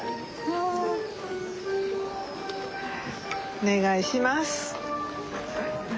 お願いします。